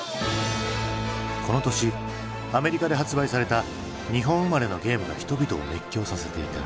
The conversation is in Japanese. この年アメリカで発売された日本生まれのゲームが人々を熱狂させていた。